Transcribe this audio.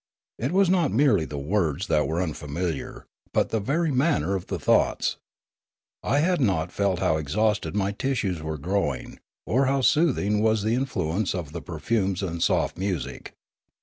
It was not merely the words that were unfamiliar, but the very manner of the thoughts. I had not felt how exhausted my tissues were growing, or how soothing was the in fluence of the perfumes and soft music.